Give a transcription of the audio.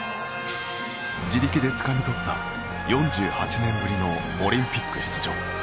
自力でつかみ取った４８年ぶりのオリンピック出場。